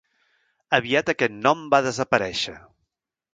Aviat aquest nom va desaparèixer.